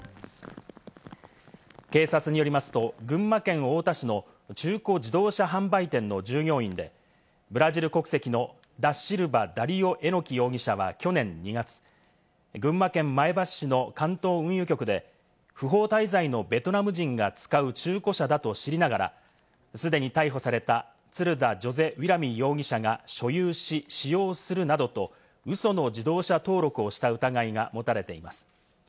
警察によりますと、群馬県太田市の中古自動車販売店の従業員で、ブラジル国籍のダ・シルバ・ダリオ・エノキ容疑者は去年２月、群馬県前橋市の関東運輸局で不法滞在のベトナム人が使う中古車だと知りながら、既に逮捕されたツルダ・ジョゼ・ウィラミ容疑者が所有し、使用するなどと、ウソの自動車登録をした疑いが持たれています。